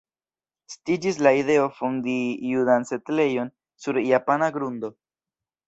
Estiĝis la ideo fondi judan setlejon sur japana grundo.